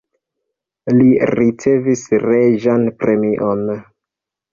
Li ricevis reĝan premion.